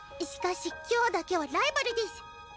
しかし今日だけはライバルです。